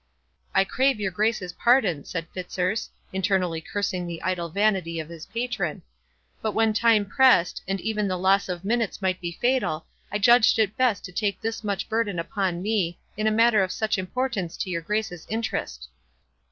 "I crave your Grace's pardon," said Fitzurse, internally cursing the idle vanity of his patron; "but when time pressed, and even the loss of minutes might be fatal, I judged it best to take this much burden upon me, in a matter of such importance to your Grace's interest."